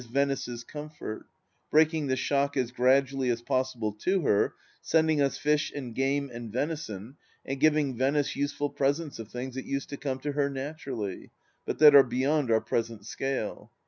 Venice's comfort — ^break ing the shock as gradually as possible to her, sending us fish and game and venison and giving Venice useful presents of things that used to come to her naturally, but that are beyond our present scale.